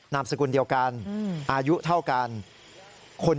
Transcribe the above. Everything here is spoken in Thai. นามสกุลเดียวกันอายุเท่ากัน